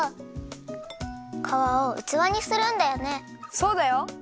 そうだよ！